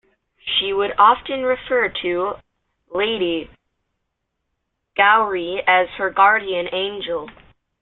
She would often refer to Lady Gowrie as her "guardian angel".